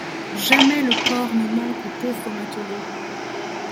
Jamais le port ne manque au pauvre matelot ;